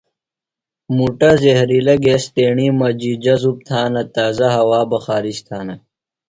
مُٹہ زہرِیلہ گیس تیݨیۡ مجیۡ جذب تھانہ۔ تازہ ہوا بہ خارِج تھانہ